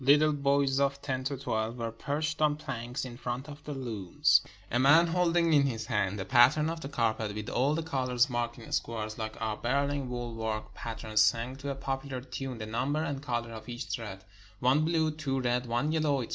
Little boys of ten to twelve were perched on planks in front of the looms; a man, holding in his hand the pattern of the carpet with all the colors marked in squares, like our Berlin wool work patterns, sang to a popular tune the number and color of each thread — one blue, two red, one yellow, etc.